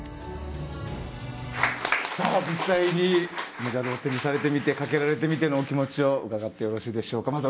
実際にメダルを手にされてみて掛けられてみての気持ちを伺ってよろしいでしょうか。